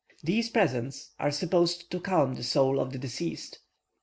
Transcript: These presents are supposed to calm the soul of the deceased.